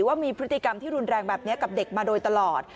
ว่ามีพฤติกรรมที่รุนแรงแบบนี้กับเด็กมาโดยตลอด